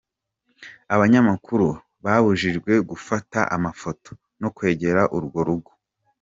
Abanyamakuru babujijwe gufata amafoto, no kwegera urwo rugo.